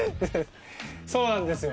そうなんですよ。